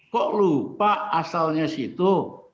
kok lupa asalnya situ